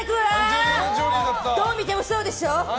どう見てもそうでしょう？